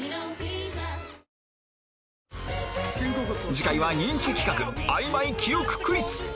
次回は人気企画あいまい記憶クイズ